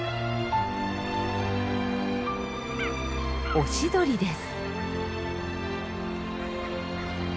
オシドリです。